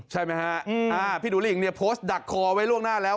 ใช่ไหมฮะพี่หนูหลิงเนี่ยโพสต์ดักคอไว้ล่วงหน้าแล้ว